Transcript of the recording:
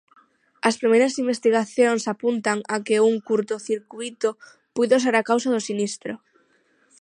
As primeiras investigacións apuntan a que un curtocircuíto puido ser a causa do sinistro.